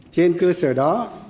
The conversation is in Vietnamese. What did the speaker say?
trên cơ sở đó